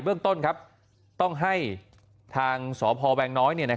เบื้องต้นครับต้องให้ทางสพแวงน้อยเนี่ยนะครับ